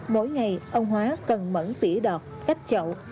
mỗi ngày ông hoa cần mẩn tỉa đọt cắt chậu